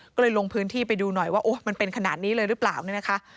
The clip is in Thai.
ก็เลยลงพื้นที่ไปดูหน่อยว่ามันเป็นขนาดนี้เลยหรือเปล่าเนี่ยนะคะ